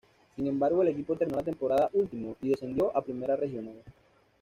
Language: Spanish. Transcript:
Sin embargo el equipo terminó la temporada último y descendió a Primera Regional.